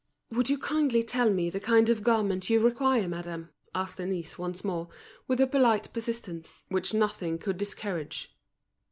"Would you kindly tell me the kind of garment you require, madame?" asked Denise, once more, with her polite persistence, which nothing could discourage.